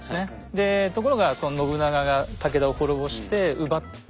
でところが信長が武田を滅ぼして奪った。